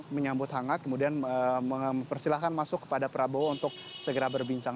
menyambut hangat kemudian mempersilahkan masuk kepada prabowo untuk segera berbincang